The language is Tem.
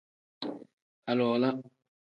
Aluwala.